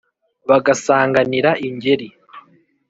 bagasanganira ingeri,